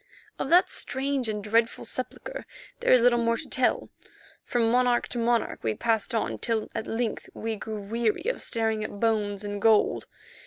Of that strange and dreadful sepulchre there is little more to tell. From monarch to monarch we marched on till at length we grew weary of staring at bones and gold.